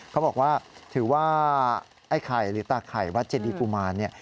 เขาบอกว่าถือว่าไอ้ไข่หรือตาไข่วัดเจดีกุมารเนี่ย